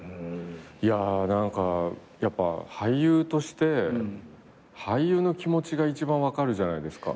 何かやっぱ俳優として俳優の気持ちが一番分かるじゃないですか。